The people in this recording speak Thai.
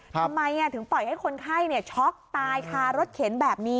ทำไมถึงปล่อยให้คนไข้ช็อกตายคารถเข็นแบบนี้